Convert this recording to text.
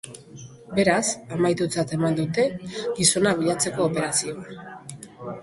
Beraz, amaitutzat eman dute gizona bilatzeko operazioa.